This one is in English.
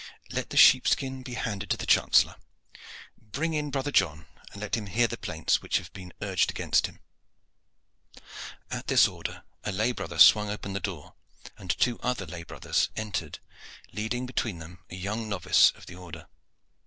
"Let the sheep skin be handed to the chancellor. Bring in brother John, and let him hear the plaints which have been urged against him." At this order a lay brother swung open the door, and two other lay brothers entered leading between them a young novice of the order.